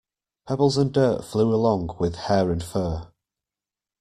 Pebbles and dirt flew along with hair and fur.